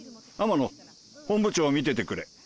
天野本部長見ててくれ。